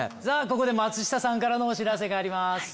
ここで松下さんからのお知らせがあります。